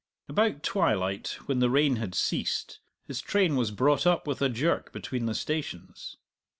About twilight, when the rain had ceased, his train was brought up with a jerk between the stations.